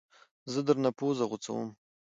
زه درنه پوزه غوڅوم